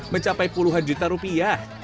mencapai puluhan juta rupiah